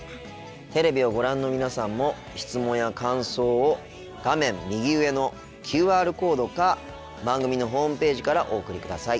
テレビをご覧の皆さんも質問や感想を画面右上のＱＲコードか番組のホームページからお送りください。